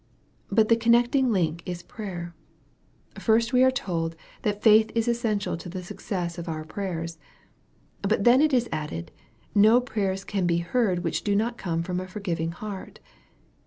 But the connecting link is prayer. First we are told that faith is essential to the success of our prayers. But then it is added, no prayers can be heard which do not come from a forgiving heart.